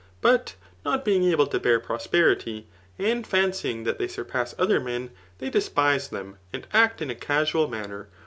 B^t not being sAde to bear prosperity, and 'fancying that they narpasa other men, they despise them, and' act in a casual manner.